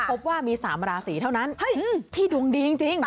พบว่ามี๓ราศีเท่านั้นที่ดวงดีจริง